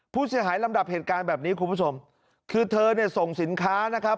ลำดับเหตุการณ์แบบนี้คุณผู้ชมคือเธอเนี่ยส่งสินค้านะครับ